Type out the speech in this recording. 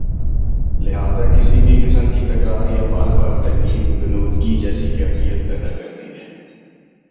لہذا کسی بھی قسم کی تکرار یا بار بار ترغیب غنودگی جیسی کیفیت پیدا کرتی ہے